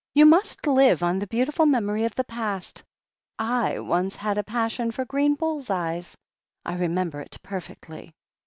You must live on the beautiful memory of the past. / once had a passion for green bull's eyes. I remember it per fectly."